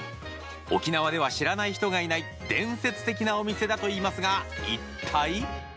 沖縄では知らない人がいない伝説的なお店だといいますが一体？